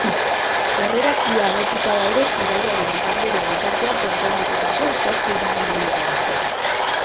Sarrerak ia agortuta daude irailaren igandera bitartean programatutako zazpi emanaldietarako.